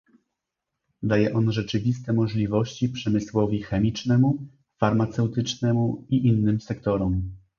Daje on rzeczywiste możliwości przemysłowi chemicznemu, farmaceutycznemu i innym sektorom